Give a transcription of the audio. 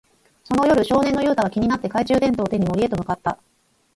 その夜、少年のユウタは気になって、懐中電灯を手に森へと向かった。